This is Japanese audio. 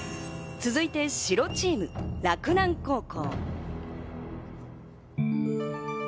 続いて白チーム、洛南高校。